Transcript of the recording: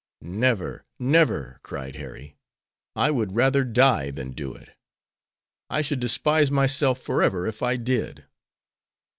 "Never! never!" cried Harry. "I would rather die than do it! I should despise myself forever if I did."